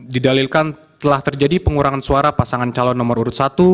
didalilkan telah terjadi pengurangan suara pasangan calon nomor urut satu